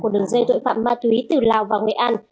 của đường dây tội phạm ma túy từ lào vào nghệ an